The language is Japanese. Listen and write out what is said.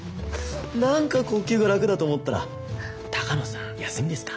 何か呼吸が楽だと思ったら鷹野さん休みですか？